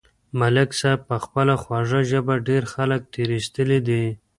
ملک صاحب په خپله خوږه ژبه ډېر خلک تېر ایستلي دي.